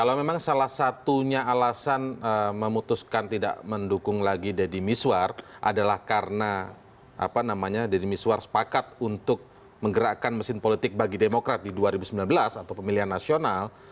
dan yang sebetulnya alasan memutuskan tidak mendukung lagi deddy miswar adalah karena apa namanya deddy miswar sepakat untuk menggerakkan mesin politik bagi demokrat di dua ribu sembilan belas atau pemilihan nasional